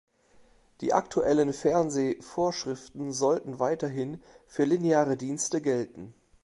Die aktuellen Fernsehvorschriften sollten weiterhin für lineare Dienste gelten.